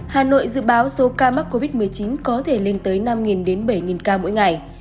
hà nội dự báo số ca mắc covid một mươi chín có thể lên tới năm đến bảy ca mỗi ngày